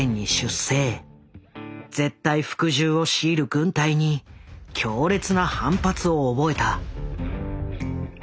絶対服従を強いる軍隊に強烈な反発を覚えた。